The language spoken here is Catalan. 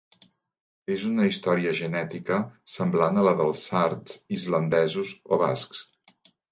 És una història genètica semblant a la dels sards, islandesos o bascs.